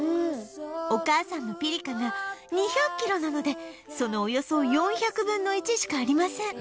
お母さんのピリカが２００キロなのでそのおよそ４００分の１しかありません